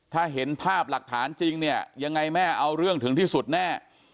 ถ้าเห็นภาพหลักฐานจริงเนี่ยยังไงแม่เอาเรื่องถึงที่สุดแน่